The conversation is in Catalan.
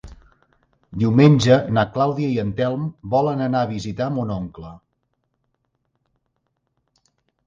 Diumenge na Clàudia i en Telm volen anar a visitar mon oncle.